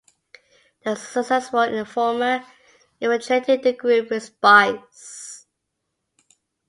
They were successful in the former, infiltrating the group with spies.